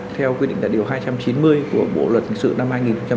theo quy định tại điều hai trăm chín mươi của bộ luật hình sự năm hai nghìn một mươi năm